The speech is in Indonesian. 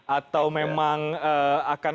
atau memang akan